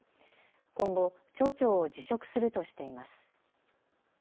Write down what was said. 今後、町長を辞職するとしています。